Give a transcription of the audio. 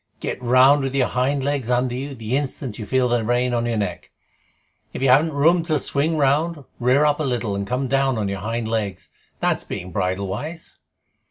Get round with your hind legs under you the instant you feel the rein on your neck. If you haven't room to swing round, rear up a little and come round on your hind legs. That's being bridle wise."